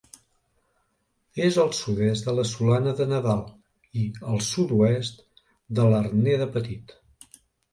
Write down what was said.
És al sud-est de la Solana de Nadal i al sud-oest de l'Arner de Petit.